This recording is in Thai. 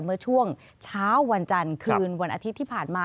เมื่อช่วงเช้าวันจันทร์คืนวันอาทิตย์ที่ผ่านมา